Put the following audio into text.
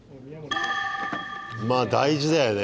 まあ大事だよね